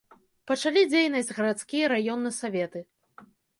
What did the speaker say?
Пачалі дзейнасць гарадскі і раённы саветы.